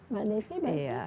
mbak desy baiknya